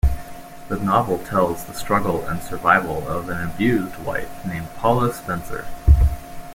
The novel tells the struggle and survival of an abused wife named Paula Spencer.